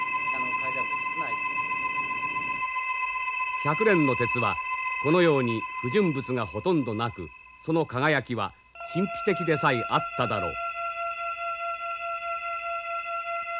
百練の鉄はこのように不純物がほとんどなくその輝きは神秘的でさえあっただろう。